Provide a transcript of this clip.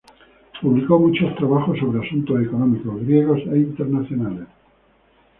Publicó muchos trabajos sobre asuntos económicos griegos e internacionales.